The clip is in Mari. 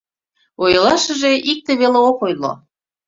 Ойлашыже икте веле ок ойло.